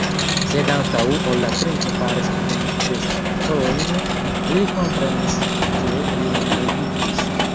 Sed antaŭ ol la princo faris kvin verstojn, li komprenis, ke li elvojiĝis.